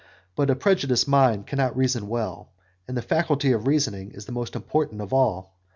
But a prejudiced mind cannot reason well, and the faculty of reasoning is the most important of all.